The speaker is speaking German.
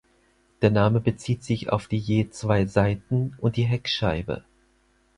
Der Name bezieht sich auf die je zwei Seiten- und die Heckscheibe.